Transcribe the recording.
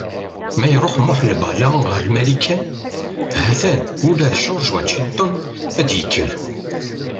Ma iṛuḥ Muḥ Lbala ɣer Marikan, hatan ula d George Washington ad d-yekker.